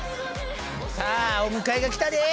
さあお迎えが来たで。